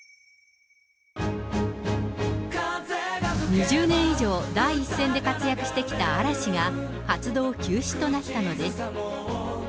２０年以上、第一線で活躍してきた嵐が、活動休止となったのです。